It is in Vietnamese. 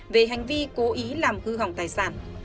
về hành vi cố ý làm hư hỏng tài sản